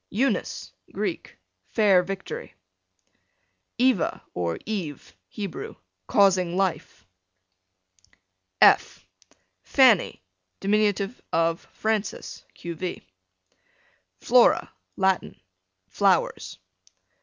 Eunice, Greek, fair victory. Eva, or Eve, Hebrew, causing life. F Fanny, dim. of Frances, q.v. Flora, Latin, flowers.